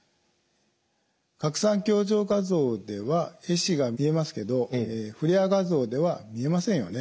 拡散強調画像ではえ死が見えますけどフレアー画像では見えませんよね。